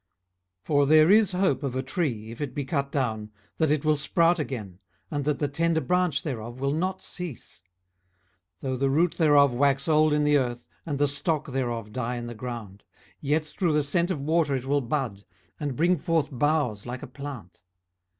18:014:007 For there is hope of a tree, if it be cut down, that it will sprout again, and that the tender branch thereof will not cease. 18:014:008 Though the root thereof wax old in the earth, and the stock thereof die in the ground; 18:014:009 Yet through the scent of water it will bud, and bring forth boughs like a plant.